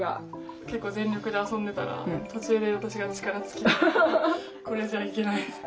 結構全力で遊んでたら途中で私が力尽きてこれじゃあいけない。